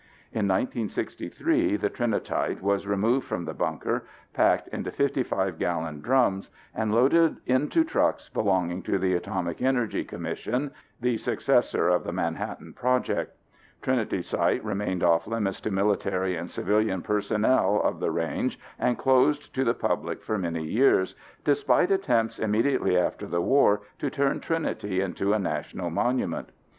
In 1963 the Trinitite was removed from the bunker, packed into 55 gallon drums, and loaded into trucks belonging to the Atomic Energy Commission (the successor of the Manhattan Project). Trinity site remained off limits to military and civilian personnel of the range and closed to the public for many years, despite attempts immediately after the war to turn Trinity into a national monument.